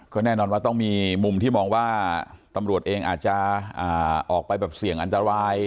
ก็แน่นอนว่าต้องมีมุมที่มองว่าตำรวจเองอาจจะออกไปแบบเสี่ยงอันตราย